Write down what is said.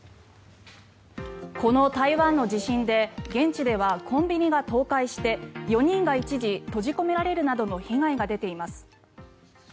この台湾の地震で現地ではコンビニが倒壊して４人が一時閉じ込められるなどの被害が出ています。